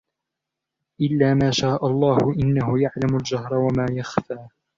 إِلَّا مَا شَاءَ اللَّهُ إِنَّهُ يَعْلَمُ الْجَهْرَ وَمَا يَخْفَى